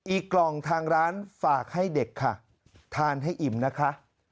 อีกกล่องทางร้านฝากให้เด็กค่ะทานให้อิ่มนะคะ